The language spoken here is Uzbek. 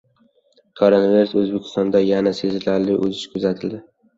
Koronavirus: O‘zbekistonda yana sezilarli o‘sish kuzatildi